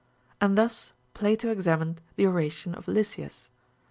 And thus Plato examined the oration of Lysias.